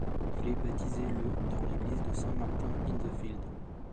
Il est baptisé le dans l’église de St Martin-in-the-Fields.